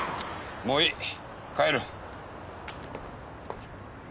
もういい帰る。